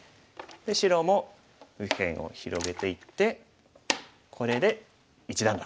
白も右辺を広げていってこれで一段落。